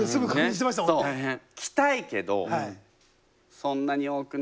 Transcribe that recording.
着たいけどそんなに多くの。